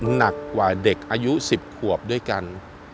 หนักกว่าเด็กอายุ๑๐ขวบด้วยกัน